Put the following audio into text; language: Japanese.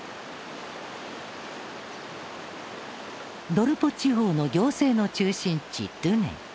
ドルポ地方の行政の中心地ドゥネイ。